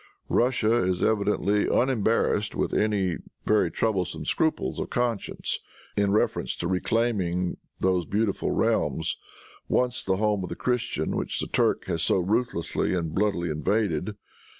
Russia is evidently unembarrassed with any very troublesome scruples of conscience in reference to reclaiming those beautiful realms, once the home of the Christian, which the Turk has so ruthlessly and bloodily invaded.